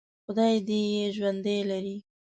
خدای دې یې ژوندي لري.